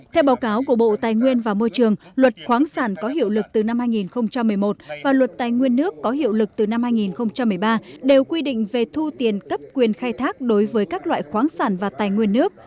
theo báo cáo của bộ tài nguyên và môi trường luật khoáng sản có hiệu lực từ năm hai nghìn một mươi một và luật tài nguyên nước có hiệu lực từ năm hai nghìn một mươi ba đều quy định về thu tiền cấp quyền khai thác đối với các loại khoáng sản và tài nguyên nước